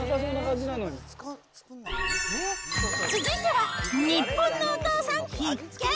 続いては日本のお父さん必見！